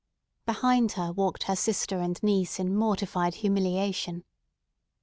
Behind her walked her sister and niece in mortified humiliation.